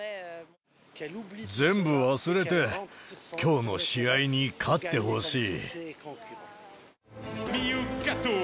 全部忘れて、きょうの試合に勝ってほしい。